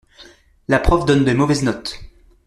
La prof donne des mauvaises notes.